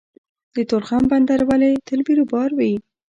د تورخم بندر ولې تل بیروبار وي؟